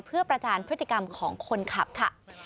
เพื่อประจานพฤติกรรมของคนขับค่ะ